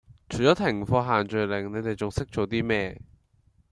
除左停課限聚令你地仲識做 D 咩